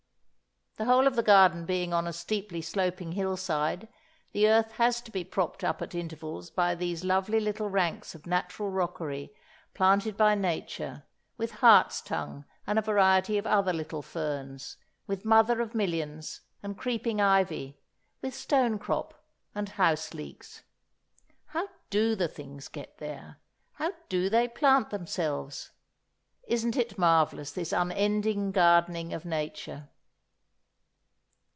The whole of the garden being on a steeply sloping hillside, the earth has to be propped up at intervals by these lovely little ranks of natural rockery, planted by Nature with hart's tongue and a variety of other little ferns, with mother of millions and creeping ivy, with stone crop and house leeks. How do the things get there? How do they plant themselves? Isn't it marvellous this unending gardening of Nature!